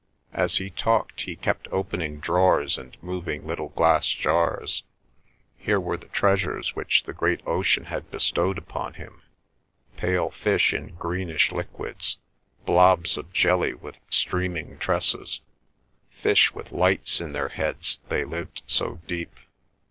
As he talked he kept opening drawers and moving little glass jars. Here were the treasures which the great ocean had bestowed upon him—pale fish in greenish liquids, blobs of jelly with streaming tresses, fish with lights in their heads, they lived so deep.